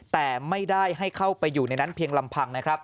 แต่ไม่ได้ให้เข้าไปอยู่ในนั้นเพียงลำพังนะครับ